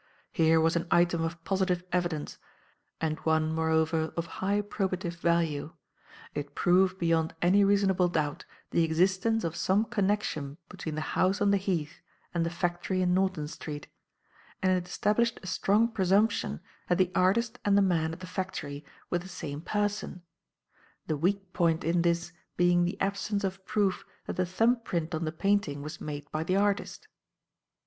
Here was an item of positive evidence, and one, moreover, of high probative value. It proved, beyond any reasonable doubt, the existence of some connection between the house on the Heath and the factory in Norton Street; and it established a strong presumption that the artist and the man at the factory were the same person; the weak point in this being the absence of proof that the thumb print on the painting was made by the artist.